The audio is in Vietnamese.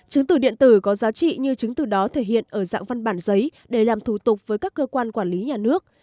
chứng từ điện tử có giá trị như chứng từ đó thể hiện ở dạng văn bản giấy để làm thủ tục với các cơ quan quản lý nhà nước